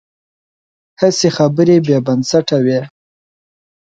هسې خبرې بې بنسټه وي.